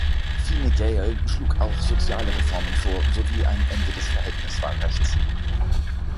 Fine Gael schlug auch soziale Reformen vor sowie ein Ende des Verhältniswahlrechts.